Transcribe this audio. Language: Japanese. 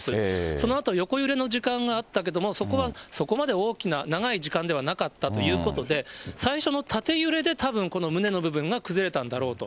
そのあと横揺れの地震があったけども、そこはそこまで大きな、長い時間ではなかったということで、最初の縦揺れでたぶん、この棟の部分が崩れたんだろうと。